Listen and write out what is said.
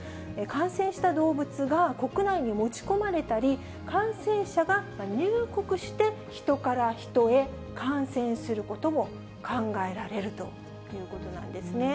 感染した動物が国内に持ち込まれたり、感染者が入国して、ヒトからヒトへ感染することも考えられるということなんですね。